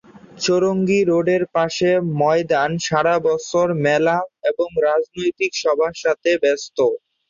চৌরঙ্গী রোডের পাশে ময়দান সারাবছর মেলা এবং রাজনৈতিক সভার সাথে ব্যস্ত।